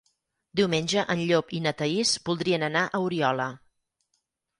Diumenge en Llop i na Thaís voldrien anar a Oriola.